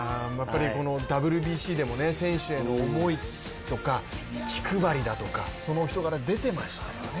ＷＢＣでも選手への思いとか気配りだとかそのお人柄、出ていましたよね